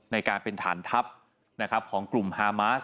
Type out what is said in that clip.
ในการเป็นฐานทัพของกลุ่มฮามาส